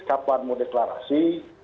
kapan mau deklarasi